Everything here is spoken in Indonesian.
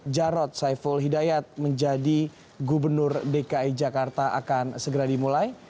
jarod saiful hidayat menjadi gubernur dki jakarta akan segera dimulai